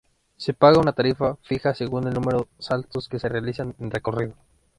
Se paga una tarifa fija según el número saltos que se realicen en recorrido.